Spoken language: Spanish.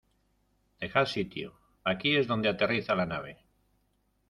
¡ Dejad sitio! Aquí es donde aterriza la nave.